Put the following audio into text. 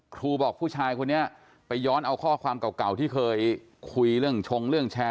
ครูบอกผู้ชายคนนี้ไปย้อนเอาข้อความเก่าที่เคยคุยเรื่องชงเรื่องแชร์